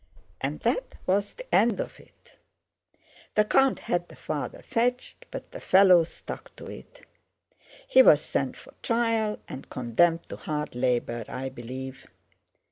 And that was the end of it. The count had the father fetched, but the fellow stuck to it. He was sent for trial and condemned to hard labor, I believe.